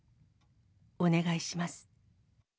お願いします。